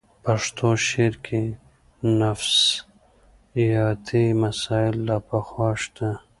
پښتو شعر کې نفسیاتي مسایل له پخوا شته